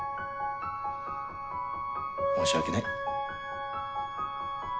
申し訳ない。